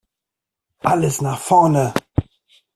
Alles nach vorne!